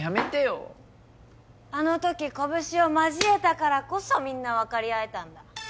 あの時拳を交えたからこそみんなわかり合えたんだ。